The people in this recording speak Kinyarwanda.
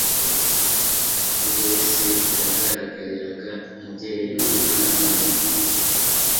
Ubwo Yesu yagaragariraga umubyeyi umwana we,